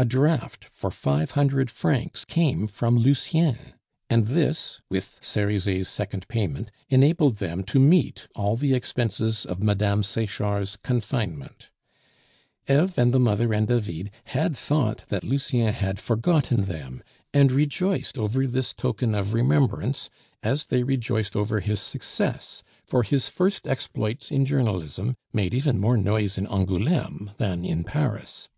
A draft for five hundred francs came from Lucien, and this, with Cerizet's second payment, enabled them to meet all the expenses of Mme. Sechard's confinement. Eve and the mother and David had thought that Lucien had forgotten them, and rejoiced over this token of remembrance as they rejoiced over his success, for his first exploits in journalism made even more noise in Angouleme than in Paris.